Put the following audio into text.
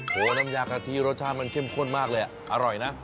น้ำยากะทิรสชาติมันเข้มข้นมากเลยอร่อยนะ